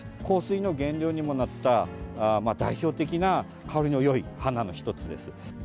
香水の原料にもなった代表的な香りのよい花の１つです。